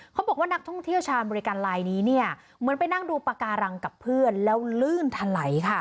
เขาบอกว่านักท่องเที่ยวชาวอเมริกันลายนี้เนี่ยเหมือนไปนั่งดูปากการังกับเพื่อนแล้วลื่นถลัยค่ะ